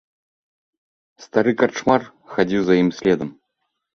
Стары карчмар хадзіў за ім следам.